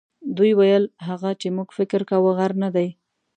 دوی ویل هغه چې موږ فکر کاوه غر نه دی.